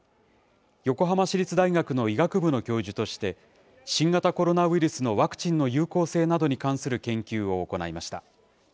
横浜市立大学の医学部の教授として、新型コロナウイルスのワクチンの有効性などに関する研究を行いました。